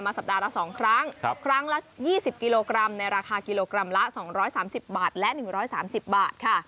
สัปดาห์ละ๒ครั้งครั้งละ๒๐กิโลกรัมในราคากิโลกรัมละ๒๓๐บาทและ๑๓๐บาทค่ะ